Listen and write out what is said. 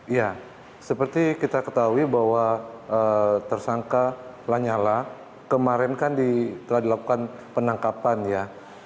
ya seperti kita ketahui bahwa tersangka lanyala kemarin kan telah dilakukan penangkapan ya